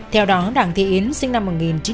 theo đó đảng thị yến sinh năm một nghìn chín trăm tám mươi